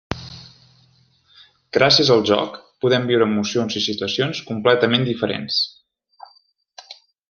Gràcies al joc podem viure emocions i situacions completament diferents.